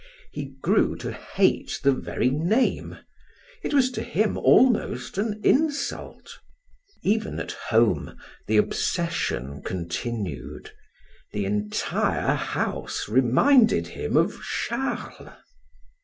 He grew to hate the very name; it was to him almost an insult. Even at home the obsession continued; the entire house reminded him of Charles.